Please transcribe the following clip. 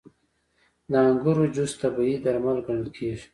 • د انګورو جوس طبیعي درمل ګڼل کېږي.